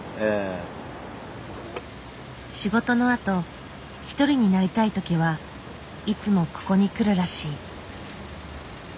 仕事のあと一人になりたい時はいつもここに来るらしい。